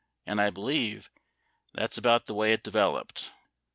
And I believe that's about the way it developed.